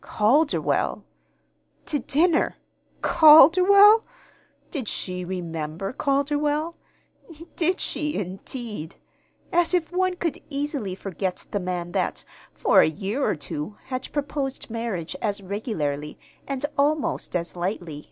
Calderwell! To dinner Calderwell! Did she remember Calderwell? Did she, indeed! As if one could easily forget the man that, for a year or two, had proposed marriage as regularly (and almost as lightly!)